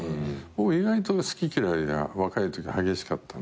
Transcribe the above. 僕意外と好き嫌いが若いとき激しかったんですよ。